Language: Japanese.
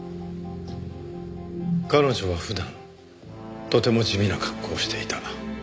彼女は普段とても地味な格好をしていた。